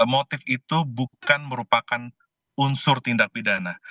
motif itu bukan merupakan unsur tindak pidana